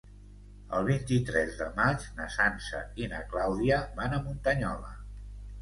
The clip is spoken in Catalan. El vint-i-tres de maig na Sança i na Clàudia van a Muntanyola.